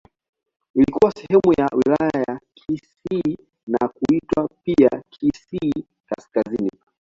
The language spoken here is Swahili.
Ilikuwa sehemu ya Wilaya ya Kisii na kuitwa pia Kisii Kaskazini.